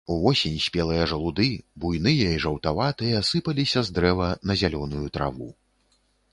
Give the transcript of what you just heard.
Увосень спелыя жалуды, буйныя і жаўтаватыя, сыпаліся з дрэва на зялёную траву.